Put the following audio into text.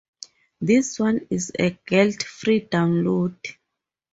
This one is a guilt-free download.